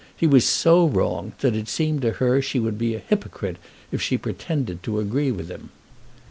He was so wrong that it seemed to her that she would be a hypocrite if she pretended to agree with him.